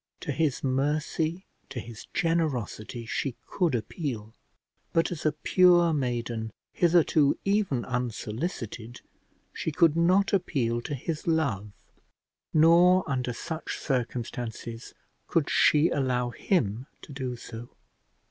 To his mercy, to his generosity, she could appeal; but as a pure maiden, hitherto even unsolicited, she could not appeal to his love, nor under such circumstances could she allow him to do so.